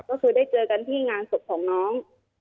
ก็คือได้เจอกันที่งานศพของน้อง